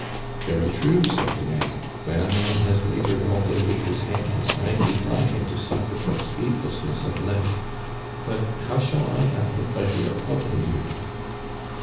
" Very true," said Dumais. " When a man has la bored all day with his hands, I defy him to suffer from sleeplessness at night. But how shall I have the pleas ure of helping you